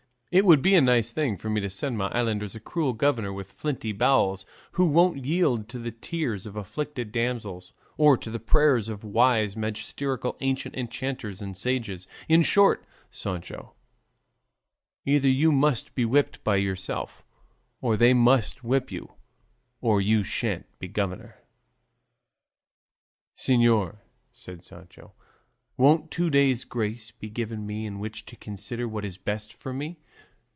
It would be a nice thing for me to send my islanders a cruel governor with flinty bowels, who won't yield to the tears of afflicted damsels or to the prayers of wise, magisterial, ancient enchanters and sages. In short, Sancho, either you must be whipped by yourself, or they must whip you, or you shan't be governor." "Señor," said Sancho, "won't two days' grace be given me in which to consider what is best for me?"